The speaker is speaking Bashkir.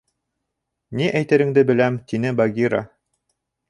— Ни әйтереңде беләм, — тине Багира.